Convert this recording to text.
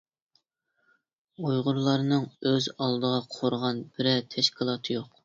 ئۇيغۇرلارنىڭ ئۆز ئالدىغا قۇرغان بىرەر تەشكىلاتى يوق.